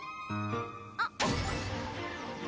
あっ！